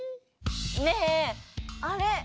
ねぇあれ！